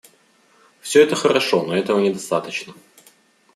Все это хорошо, но этого недостаточно.